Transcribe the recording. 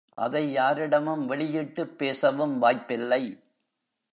அதை யாரிடமும் வெளியிட்டுப் பேசவும் வாய்ப்பில்லை.